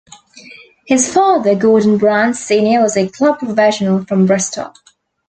His father, Gordon Brand, Senior, was a club professional from Bristol.